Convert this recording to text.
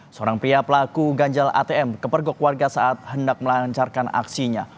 seorang pria pelaku ganjal atm kepergok warga saat hendak melancarkan aksinya